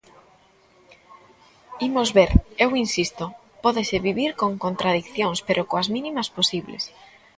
Imos ver, eu insisto: pódese vivir con contradicións pero coas mínimas posibles.